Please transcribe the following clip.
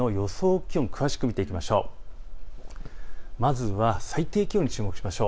気温を詳しく見ていきましょう。